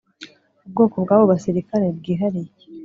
Ubwoko bwabo basirikare bwihariye